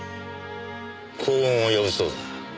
幸運を呼ぶそうだ。